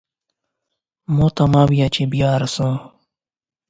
ماته مه وایه چې بیا راځم.